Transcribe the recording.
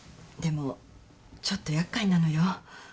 もちょっと厄介なのよ